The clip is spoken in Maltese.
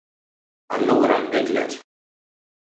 Allura nbidlet.